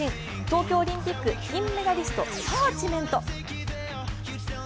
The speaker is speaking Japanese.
東京オリンピック金メダリストパーチメント。